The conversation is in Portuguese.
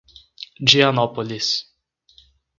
Dianópolis